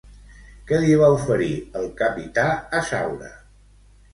Què li va oferir el capità a Saura?